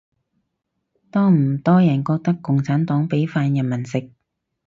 多唔多人覺得共產黨畀飯人民食